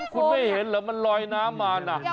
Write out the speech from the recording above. คุณไม่เห็นเหรอมันลอยน้ำมานะ